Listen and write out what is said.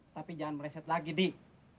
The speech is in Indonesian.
tapi jangan meleset lagi dik